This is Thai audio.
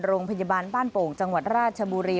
โรงพยาบาลบ้านโป่งจังหวัดราชบุรี